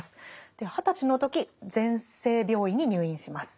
で二十歳の時全生病院に入院します。